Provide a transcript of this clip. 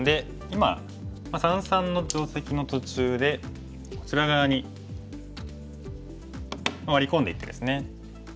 今三々の定石の途中でこちら側にワリ込んでいってですね。